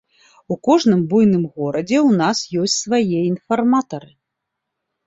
У кожным буйным горадзе ў нас ёсць свае інфарматары.